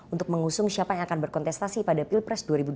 untuk mengusung siapa yang akan berkontestasi pada pilpres dua ribu dua puluh